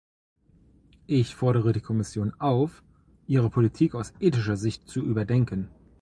Ich fordere die Kommission auf, ihre Politik aus ethischer Sicht zu überdenken.